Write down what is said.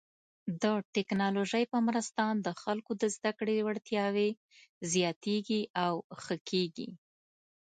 د ټکنالوژۍ په مرسته د خلکو د زده کړې وړتیاوې زیاتېږي او ښه کیږي.